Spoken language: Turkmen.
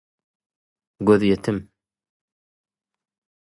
Isle ýigrimi, isle ýigrimi bäş, isle kyrk ýaşa